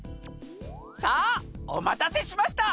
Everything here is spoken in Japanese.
さあおまたせしました！